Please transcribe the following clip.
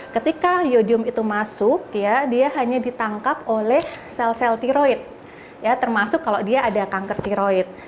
ketika yodium itu masuk dia hanya ditangkap oleh sel sel tiroid ya termasuk kalau dia ada kanker tiroid